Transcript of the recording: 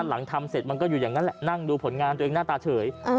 หลังทำเสร็จมันก็อยู่อย่างนั้นแหละนั่งดูผลงานตัวเองหน้าตาเฉย